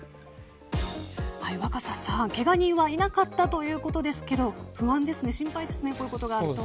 若狭さん、けが人はいなかったということですが不安ですね、心配ですねこういうことがあると。